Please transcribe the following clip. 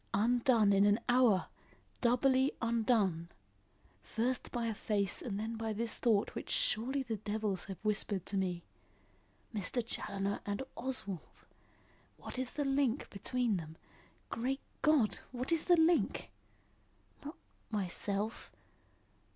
Undone in an hour! Doubly undone! First by a face and then by this thought which surely the devils have whispered to me. Mr. Challoner and Oswald! What is the link between them? Great God! what is the link? Not myself?